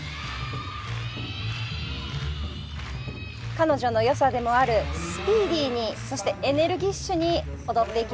彼女の良さでもあるスピーディーにそしてエネルギッシュに踊っていきます。